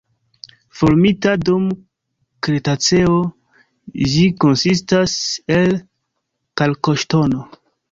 Formita dum Kretaceo, ĝi konsistas el kalkoŝtono.